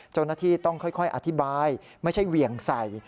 เจ้าหน้าที่ต้องค่อยอธิบายไม่ใช่เหวี่ยงใส่